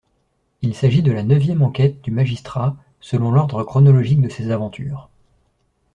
Il s'agit de la neuvième enquête du magistrat selon l'ordre chronologique de ses aventures.